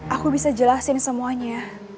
aku bisa jelasin semuanya